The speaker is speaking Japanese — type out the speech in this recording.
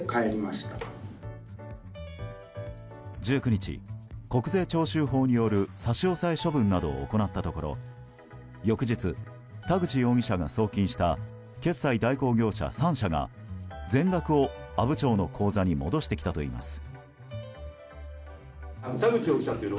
１９日、国税徴収法による差し押さえ処分などを行ったところ翌日、田口容疑者が送金した決済代行業者３社が全額を阿武町の口座に戻してきたといいます。